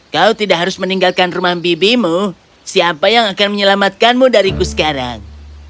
kau tidak harus meninggalkan rumah bibimu siapa yang akan menyelamatkanmu dariku sekarang